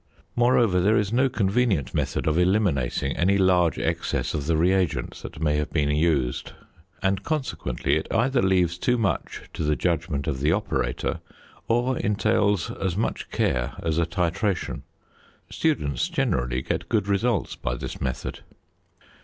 Moreover, there is no convenient method of eliminating any large excess of the reagent that may have been used; and, consequently, it either leaves too much to the judgment of the operator, or entails as much care as a titration. Students generally get good results by this method.